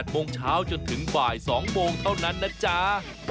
โมงเช้าจนถึงบ่าย๒โมงเท่านั้นนะจ๊ะ